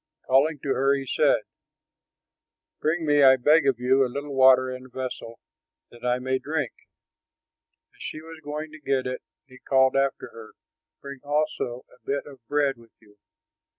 Calling to her, he said, "Bring me, I beg of you, a little water in a vessel, that I may drink." As she was going to get it, he called after her, "Bring also a bit of bread with you."